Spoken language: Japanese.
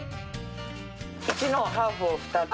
１のハーフを２つ。